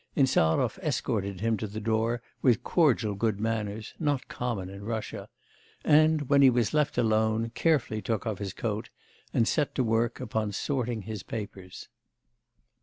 Insarov escorted him to the door with cordial good manners, not common in Russia; and, when he was left alone, carefully took off his coat, and set to work upon sorting his papers.